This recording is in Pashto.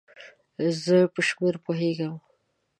زه په شمېر پوهیږم